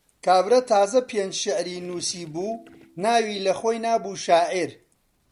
کابرا تازە پێنج شیعری نووسی بوو، ناوی لەخۆی نابوو شاعیر.